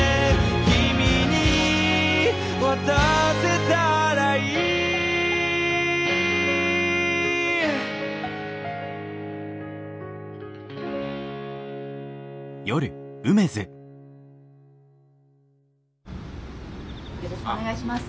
「君に渡せたらいい」・よろしくお願いします。